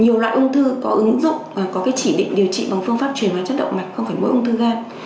nhiều loại ung thư có ứng dụng và có chỉ định điều trị bằng phương pháp truyền hóa chất động mạch không phải mỗi ung thư gan